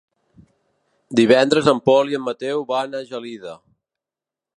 Divendres en Pol i en Mateu van a Gelida.